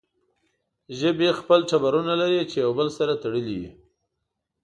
ژبې هم خپل ټبرونه لري چې يو بل سره تړلې وي